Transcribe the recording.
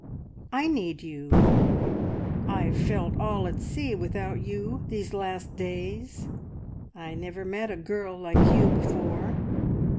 I need you! I've felt all at sea without you these last days. I never met a girl like you before.